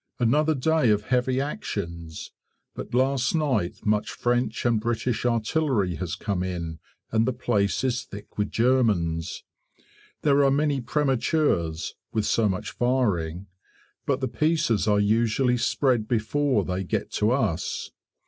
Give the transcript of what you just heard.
Another day of heavy actions, but last night much French and British artillery has come in, and the place is thick with Germans. There are many prematures (with so much firing) but the pieces are usually spread before they get to us.